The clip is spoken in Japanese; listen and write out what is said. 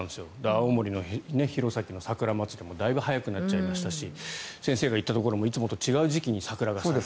青森の弘前の桜まつりもだいぶ早くなっちゃいましたし先生が行ったところもいつもと違う時期に桜が見えたと。